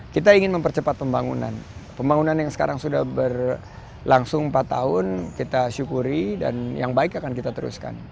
kita ingin mempercepat pembangunan pembangunan yang sekarang sudah berlangsung empat tahun kita syukuri dan yang baik akan kita teruskan